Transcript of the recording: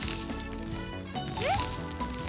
えっ？